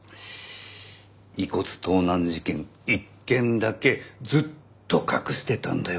遺骨盗難事件１件だけずっと隠してたんだよ